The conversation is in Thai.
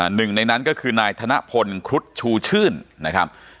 หนึ่งในนั้นก็คือนายธนพลครุฑชูชื่นนะครับ